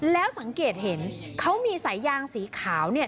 แล้วสังเกตเห็นเขามีสายยางสีขาวเนี่ย